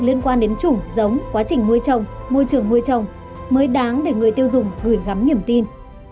liên quan đến trùng giống quá trình môi trồng môi trường môi trồng mới đáng để người tiêu dùng gửi gắm nhiềm tin